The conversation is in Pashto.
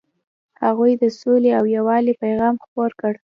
هغوی د سولې او یووالي پیغام خپور کړ.